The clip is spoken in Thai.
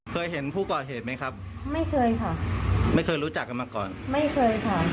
เคยเห็นผู้ก่อเหตุไหมครับไม่เคยค่ะไม่เคยรู้จักกันมาก่อนไม่เคยค่ะ